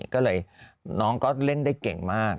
ก็เลยน้องก็เล่นได้เก่งมาก